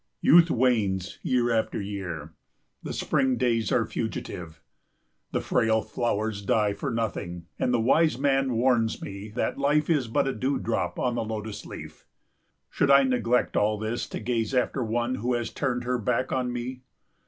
Youth wanes year after year; the spring days are fugitive; the frail flowers die for nothing, and the wise man warns me that life is but a dew drop on the lotus leaf. Should I neglect all this to gaze after one who has turned her back on me?